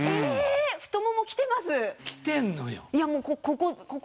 ここ。